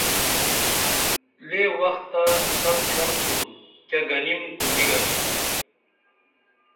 لے وختہ تپچھن تُھن کیہ گنیم کونی گنیم